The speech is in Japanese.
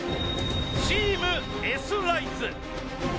チームＳライズ。